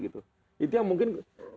itu yang mungkin